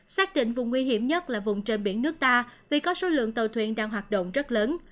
xác định vùng nguy hiểm nhất là vùng trên biển nước ta vì có số lượng tàu thuyền đang hoạt động rất lớn